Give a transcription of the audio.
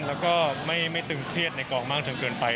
แล้วก็ไม่ตึงเครียดในกองมากจนเกินไป